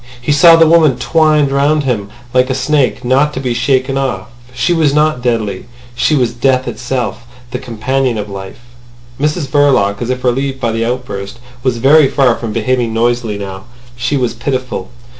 He saw the woman twined round him like a snake, not to be shaken off. She was not deadly. She was death itself—the companion of life. Mrs Verloc, as if relieved by the outburst, was very far from behaving noisily now. She was pitiful.